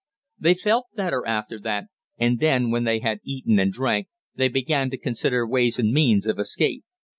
They felt better after that, and then, when they had eaten and drank, they began to consider ways and means of escape.